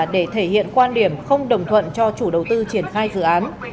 để thể hiện quan điểm không đồng thuận cho chủ đầu tư triển khai dự án